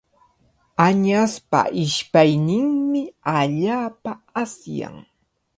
Añaspa ishpayninmi allaapa asyan.